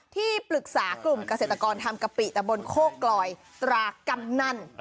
ที่ปรึกษากลุ่มเกษตรกรทำกะปิตะบนโคกลอยตรากำนัน